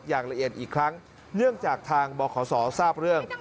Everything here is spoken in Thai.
อย่างละเอียดอีกครั้งเนื่องจากทางบขศทราบเรื่อง